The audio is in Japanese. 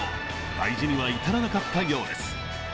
大事には至らなかったようです。